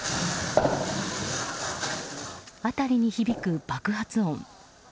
辺りに響く爆発音。